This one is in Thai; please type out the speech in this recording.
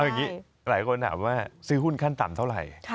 อย่างนี้หลายคนถามว่าซื้อหุ้นขั้นต่ำเท่าไหร่